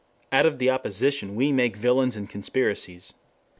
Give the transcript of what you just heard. Out of the opposition we make villains and conspiracies.